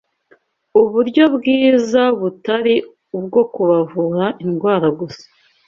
uburyo bwiza butari ubwo kubavura indwara gusa